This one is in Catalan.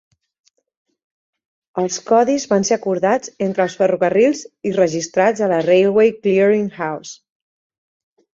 Els codis van ser acordats entre els ferrocarrils i registrats a la Railway Clearing House.